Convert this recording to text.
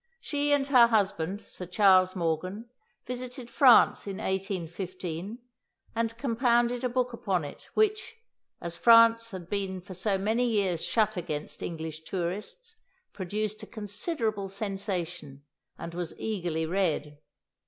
She and her husband, Sir Charles Morgan, visited France in 1815, and compounded a book upon it, which, as France had been for so many years shut against English tourists, produced a considerable sensation, and was eagerly read.